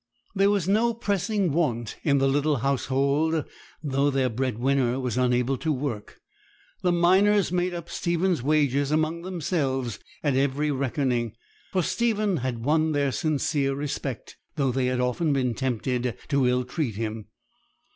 There was no pressing want in the little household, though their bread winner was unable to work. The miners made up Stephen's wages among themselves at every reckoning, for Stephen had won their sincere respect, though they had often been tempted to ill treat him.